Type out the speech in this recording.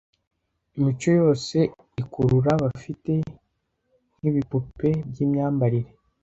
imico yose ikurura bafite nkibipupe byimyambarire,